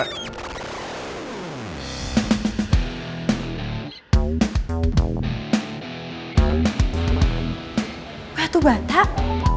wah itu batak